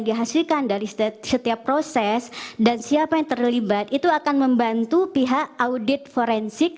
dihasilkan dari setiap proses dan siapa yang terlibat itu akan membantu pihak audit forensik